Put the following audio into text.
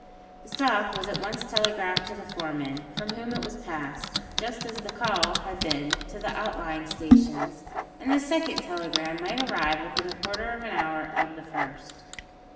The "stop" was at once telegraphed to the foremen, from whom it was passed (just as the "call" had been) to the outlying stations, and this second telegram might arrive within quarter of an hour of the first.